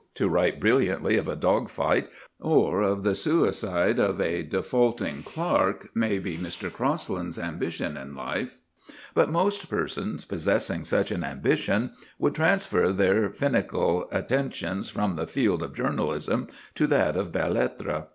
To write brilliantly of a dog fight or of the suicide of a defaulting clerk may be Mr. Crosland's ambition in life, but most persons possessing such an ambition would transfer their finical attentions from the field of journalism to that of belles lettres.